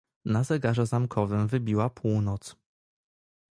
"Na zegarze zamkowym wybiła północ."